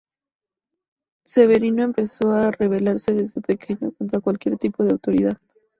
Severino empezó a rebelarse desde pequeño contra cualquier tipo de autoridad.